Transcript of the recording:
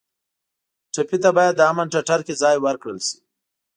ټپي ته باید د امن ټټر کې ځای ورکړل شي.